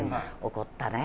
怒ったね。